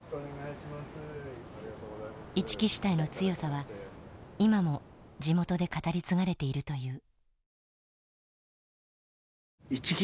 一木支隊の強さは今も地元で語り継がれているという。